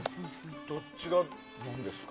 どっちが何ですか？